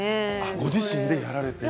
ご自身でやられている。